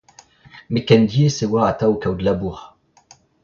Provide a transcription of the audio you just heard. Met ken diaes e oa atav kaout labour.